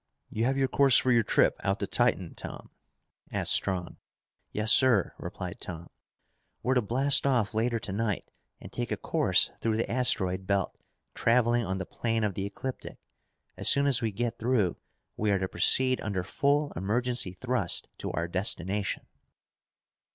"You have your course for your trip out to Titan, Tom?" asked Strong. "Yes, sir," replied Tom. "We're to blast off later to night and take a course through the asteroid belt, traveling on the plane of the ecliptic. As soon as we get through, we are to proceed under full emergency thrust to our destination."